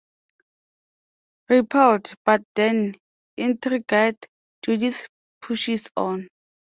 Repelled, but then intrigued, Judith pushes on.